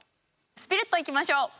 スプリットいきましょう。